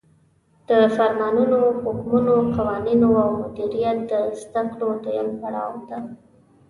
د فرمانونو، حکمونو، قوانینو او مدیریت د زدکړو دویم پړاو ته